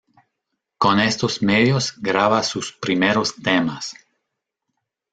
Con estos medios graba sus primeros temas.